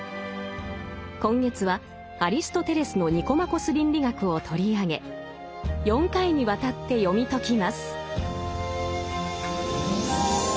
今月はアリストテレスの「ニコマコス倫理学」を取り上げ４回にわたって読み解きます。